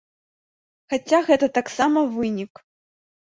Хаця гэта таксама вынік.